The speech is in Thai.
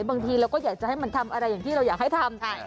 บางทีเราก็อยากจะให้มันทำอะไรอย่างที่เราอยากให้ทำ